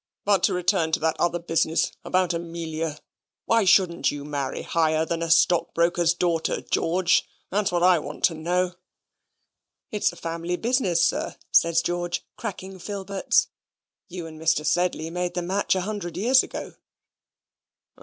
"But to return to the other business about Amelia: why shouldn't you marry higher than a stockbroker's daughter, George that's what I want to know?" "It's a family business, sir," says George, cracking filberts. "You and Mr. Sedley made the match a hundred years ago."